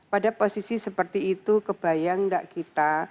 pada posisi seperti itu kebayang nggak kita